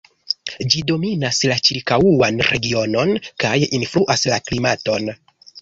Ĝi dominas la ĉirkaŭan regionon kaj influas la klimaton.